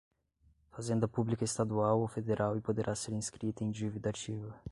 Fazenda Pública estadual ou federal e poderá ser inscrita em dívida ativa